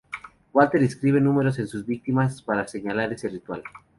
Walter escribe números en sus víctimas para señalar ese ritual.